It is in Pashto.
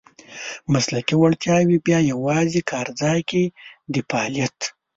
مسلکي وړتیاوې بیا یوازې کارځای کې د فعالیت .